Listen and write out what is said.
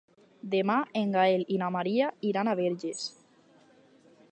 Demà en Gaël i na Maria iran a Verges.